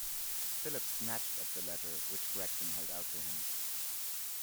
Philip snatched at the letter which Gregson held out to him.